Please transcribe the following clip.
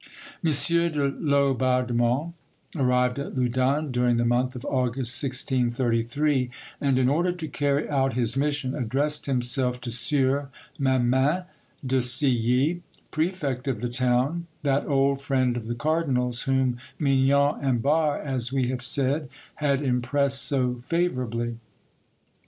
M. de Laubardemont arrived at Loudun during the month of August 1633, and in order to carry out his mission addressed himself to Sieur Memin de Silly, prefect of the town, that old friend of the cardinal's whom Mignon and Barre, as we have said, had impressed so favourably.